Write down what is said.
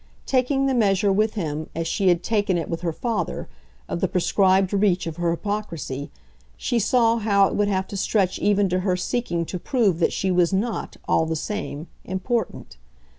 Taking the measure, with him, as she had taken it with her father, of the prescribed reach of her hypocrisy, she saw how it would have to stretch even to her seeking to prove that she was NOT, all the same, important.